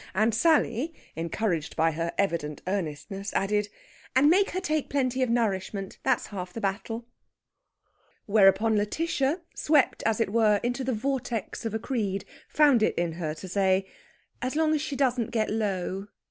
And Sally, encouraged by her evident earnestness, added, "And make her take plenty of nourishment. That's half the battle." Whereupon Lætitia, swept, as it were, into the vortex of a creed, found it in her to say, "As long as she doesn't get low."